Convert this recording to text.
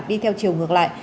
đi theo chiều ngược lại